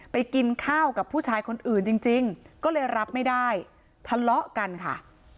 กินข้าวกับผู้ชายคนอื่นจริงก็เลยรับไม่ได้ทะเลาะกันค่ะ